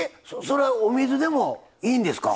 それはお水でもいいんですか？